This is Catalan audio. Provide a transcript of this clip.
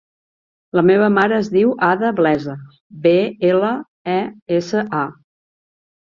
La meva mare es diu Ada Blesa: be, ela, e, essa, a.